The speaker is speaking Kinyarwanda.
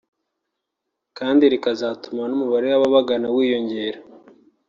kandi rikazatuma n’ umubare w’ababagana wiyongera